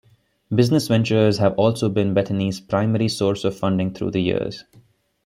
Business ventures have also been Bethany's primary source of funding through the years.